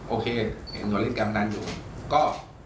โอเคเห็นตัวเล่นกำนันอยู่ก็